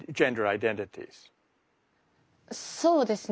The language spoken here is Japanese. そうですね。